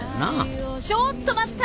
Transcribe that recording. ちょっと待った！